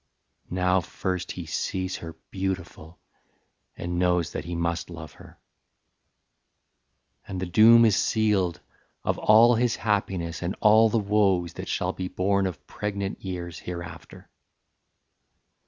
Now first he sees her beautiful, and knows That he must love her; and the doom is sealed Of all his happiness and all the woes That shall be born of pregnant years hereafter.